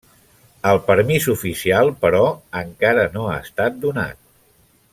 El permís oficial però, encara no ha estat donat.